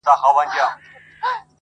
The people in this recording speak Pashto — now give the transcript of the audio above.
د زمري په کابینه کي خر وزیر وو!.